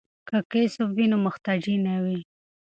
که کسب وي نو محتاجی نه وي.